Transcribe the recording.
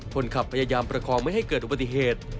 พยายามประคองไม่ให้เกิดอุบัติเหตุ